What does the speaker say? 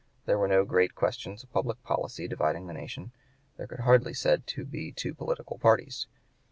There were no great questions of public policy dividing the nation. There could hardly be said to be two political parties.